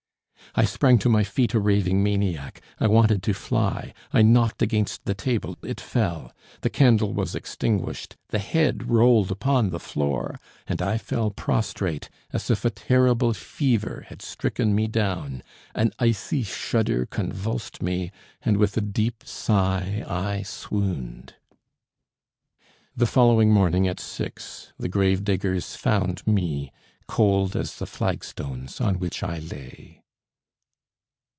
I sprang to my feet a raving maniac, I wanted to fly; I knocked against the table; it fell. The candle was extinguished; the head rolled upon the floor, and I fell prostrate, as if a terrible fever had stricken me down an icy shudder convulsed me, and, with a deep sigh, I swooned. The following morning at six the grave diggers found me, cold as the flagstones on which I lay.